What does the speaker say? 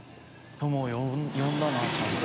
友を呼んだんだちゃんと。